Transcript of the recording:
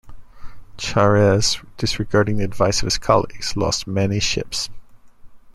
Chares, disregarding the advice of his colleagues, lost many ships.